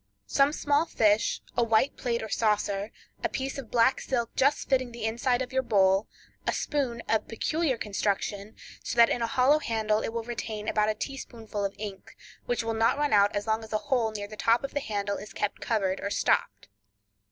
Some small fish, a white plate or saucer, a piece of black silk just fitting the inside of your bowl, a spoon of peculiar construction, so that in a hollow handle it will retain about a teaspoonful of ink, which will not run out as long as a hole near the top of the handle is kept covered or stopped.